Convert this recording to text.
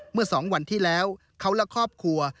เมื่อ๒วันที่แล้วเขาและครอบครัว